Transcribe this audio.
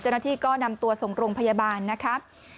เจ้าหน้าที่ก็นำตัวส่งโรงพยาบาลนะครับ